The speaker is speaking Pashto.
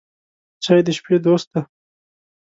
چای د شپې دوست دی.